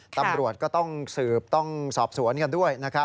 ตำรวจก็ต้องสืบต้องสอบสวนกันด้วยนะครับ